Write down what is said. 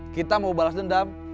kita mau balas dendam